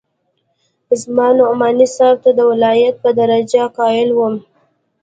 زه نعماني صاحب ته د ولايت په درجه قايل وم.